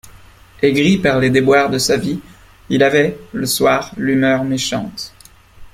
Aigri par les déboires de sa vie, il avait, le soir, l'humeur méchante.